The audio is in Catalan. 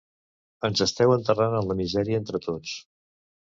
Ens esteu enterrant en la misèria entre tots.